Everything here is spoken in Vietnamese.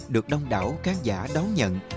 được đông đảo khán giả đón nhận